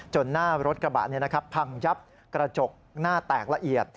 หน้ารถกระบะพังยับกระจกหน้าแตกละเอียด